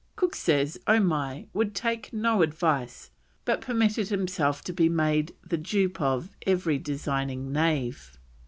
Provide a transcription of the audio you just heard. Cook says Omai "would take no advice, but permitted himself to be made the dupe of every designing knave."